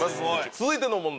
続いての問題